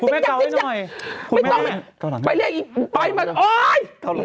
คุณแม่เอาแก้วหลังให้เข้าคุณแม่เอาโหนอยไปเรียกอ๊าย